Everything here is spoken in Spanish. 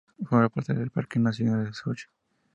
Forma parte del Parque nacional de Sochi.